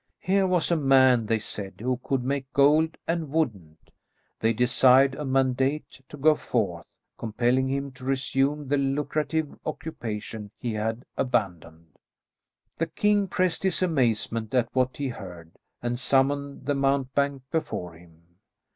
Here was a man, they said, who could make gold and wouldn't. They desired a mandate to go forth, compelling him to resume the lucrative occupation he had abandoned. The king pressed his amazement at what he heard, and summoned the mountebank before him.